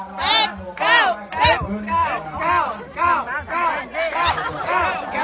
จบแล้วเดี๋ยวจะรับความรู้สึก